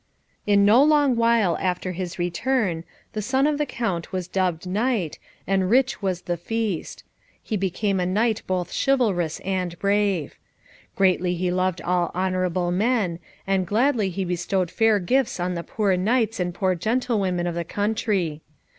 In no long while after his return the son of the Count was dubbed knight, and rich was the feast. He became a knight both chivalrous and brave. Greatly he loved all honourable men, and gladly he bestowed fair gifts on the poor knights and poor gentlewomen of the country.